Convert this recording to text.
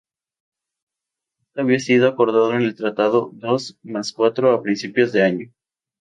Esto había sido acordado en el Tratado Dos más Cuatro a principios de año.